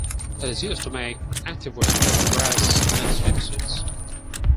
It is used to make activewear, bras, and swimsuits.